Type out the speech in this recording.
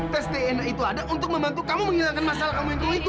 tes dna itu ada untuk membantu kamu menghilangkan masalah kamu itu